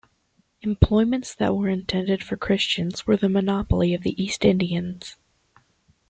Employments that were intended for Christians, were the monopoly of the East Indians.